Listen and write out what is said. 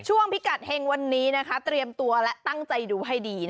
พิกัดเฮงวันนี้เตรียมตัวและตั้งใจดูให้ดี